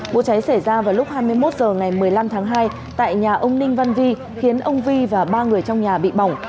vụ cháy xảy ra vào lúc hai mươi một h ngày một mươi năm tháng hai tại nhà ông ninh văn vi khiến ông vi và ba người trong nhà bị bỏng